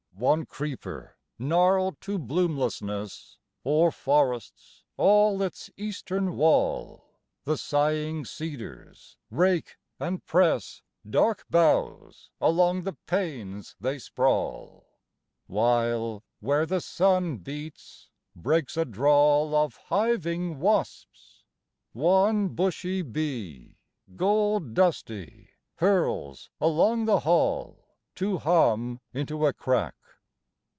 2. One creeper, gnarled to bloomlessness, O'er forests all its eastern wall; The sighing cedars rake and press Dark boughs along the panes they sprawl; While, where the sun beats, breaks a drawl Of hiving wasps; one bushy bee, Gold dusty, hurls along the hall To hum into a crack.